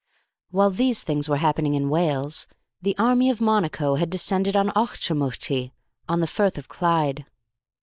While these things were happening in Wales, the army of Monaco had descended on Auchtermuchty, on the Firth of Clyde.